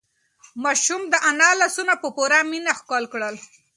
ماشوم د انا لاسونه په پوره مینه ښکل کړل.